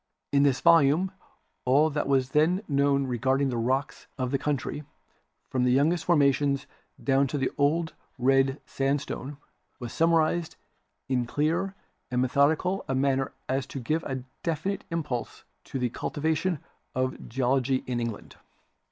In this volume all that was then known regarding the rocks of the country, from the youngest formations down to the Old Red Sandstone, was summarized in so clear and me thodical a manner as to give a definite impulse to the cultivation of Geology in England.